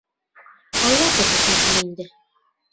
Алла күрһәтмәһен инде...